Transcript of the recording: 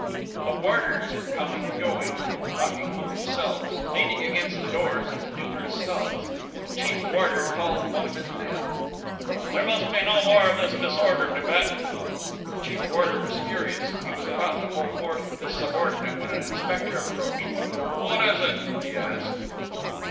The warders were coming and going, talking among themselves, leaning against the doors of the numerous cells. The chief warder called one of his men: "There must be no more of this disorder, Nibet!" The chief warder was furious: he was about to hold forth to his subordinate, when an inspector approached. "What is it?" he asked.